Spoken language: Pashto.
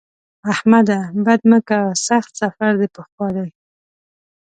احمده! بد مه کوه؛ سخت سفر دې په خوا دی.